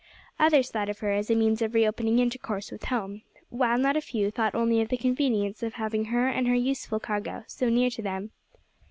Others thought of her as a means of reopening intercourse with home, while not a few thought only of the convenience of having her and her useful cargo so near to them.